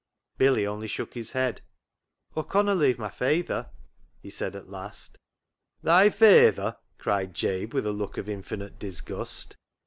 Billy only shook his head. " Aw conna leave my fayther," he said at last. " Thy fayther !" cried Jabe, with a look of infinite disgust.